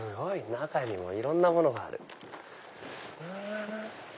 中にもいろんな物がある。